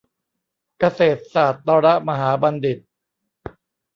เกษตรศาสตรมหาบัณฑิต